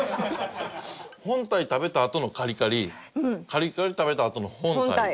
本体食べたあとのカリカリカリカリ食べたあとの本体。